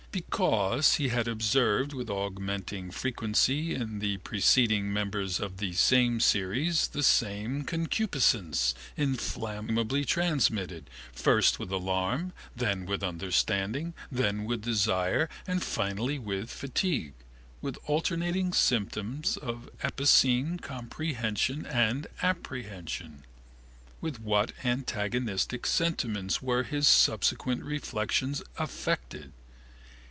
Because he had observed with augmenting frequency in the preceding members of the same series the same concupiscence, inflammably transmitted, first with alarm, then with understanding, then with desire, finally with fatigue, with alternating symptoms of epicene comprehension and apprehension. With what antagonistic sentiments were his subsequent reflections affected?